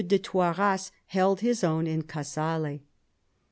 de Toiras held his own in Casale.